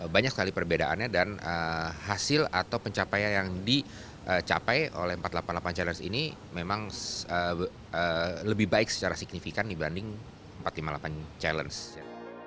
banyak sekali perbedaannya dan hasil atau pencapaian yang dicapai oleh empat ratus delapan puluh delapan challenge ini memang lebih baik secara signifikan dibanding empat ratus lima puluh delapan challenge ya